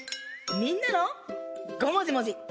みんなもごもじもじ。